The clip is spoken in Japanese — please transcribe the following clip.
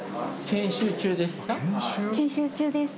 研修中です